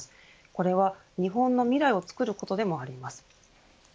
これは、日本の未来をつくることでもあります。